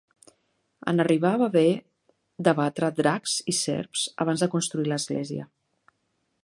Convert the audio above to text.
En arribar va haver d'abatre dracs i serps abans de construir l'església.